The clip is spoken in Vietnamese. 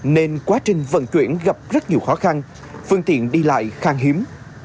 nên quá trình vận chuyển gặp rất nhiều khó khăn phương tiện đi lại khang hiếm